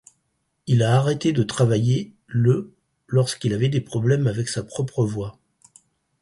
Il a arrêté de travailler le lorsqu'il avait des problèmes avec sa propre voix.